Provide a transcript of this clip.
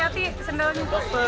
nangis dia makan dong